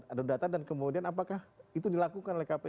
ada data dan kemudian apakah itu dilakukan oleh kpu